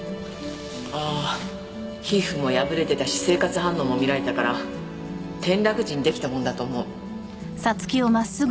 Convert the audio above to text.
ああ皮膚も破れてたし生活反応も見られたから転落時に出来たものだと思う。